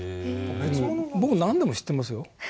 僕何でも知ってますよ。